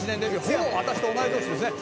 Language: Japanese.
ほぼ私と同い年ですね。